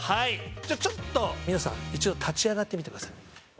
じゃあちょっと皆さん一度立ち上がってみてください。